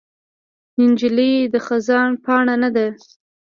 نجلۍ د خزان پاڼه نه ده.